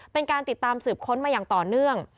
เป็นการติดตามสืบค้นมาอย่างต่อเนื่อง